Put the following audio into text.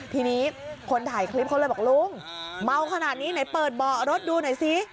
ทีนี้คนถ่ายคลิปเขาเลยบอกลุงเมาขนาดนี้ไหนเปิดเบาะรถดูหน่อยซิ